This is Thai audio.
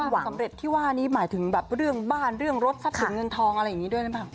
ความสำเร็จที่ว่านี้หมายถึงแบบเรื่องบ้านเรื่องรถทรัพย์สินเงินทองอะไรอย่างนี้ด้วยหรือเปล่า